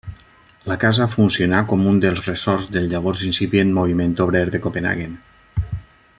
La casa funcionà com un dels ressorts del llavors incipient moviment obrer de Copenhaguen.